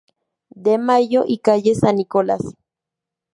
De Mayo y calle San Nicolás.